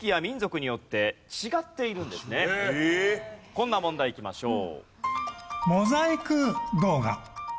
こんな問題いきましょう。